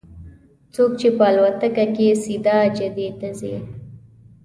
څوک چې په الوتکه کې سیده جدې ته ځي.